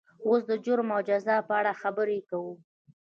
اوس د جرم او جزا په اړه خبرې کوو.